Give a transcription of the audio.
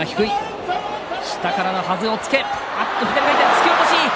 突き落とし。